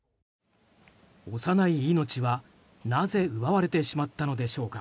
幼い命は、なぜ奪われてしまったのでしょうか。